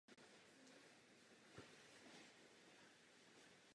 Zadruhé, potřebujeme transparentní a korektní přístup k síti.